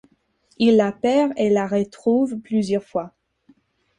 Il la perd et la retrouve plusieurs fois.